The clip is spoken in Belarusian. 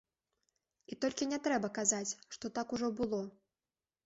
І толькі не трэба казаць, што так ужо было.